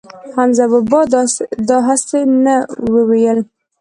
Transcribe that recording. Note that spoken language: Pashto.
حمزه بابا دا هسې نه وييل